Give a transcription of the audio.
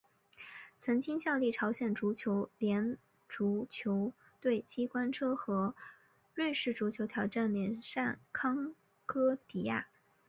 曾经效力朝鲜足球联赛足球队机关车和瑞士足球挑战联赛康戈迪亚。